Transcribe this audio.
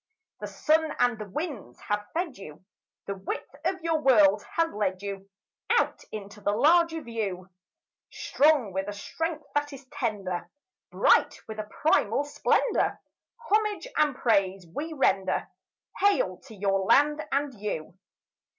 The sun and the winds have fed you; The width of your world has led you Out into the larger view; Strong with a strength that is tender, Bright with a primal splendour, Homage and praise we render— Hail to your land and you!